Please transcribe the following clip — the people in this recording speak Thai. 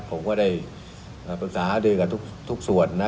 ผมก็ได้ปรึกษาลือกับทุกส่วนนะ